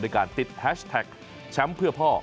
โดยการติดแฮชแท็กแชมป์เพื่อพ่อ